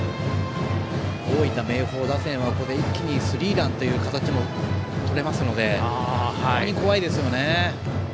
大分・明豊打線はここで一気にスリーランという形も作れますので本当に怖いですよね。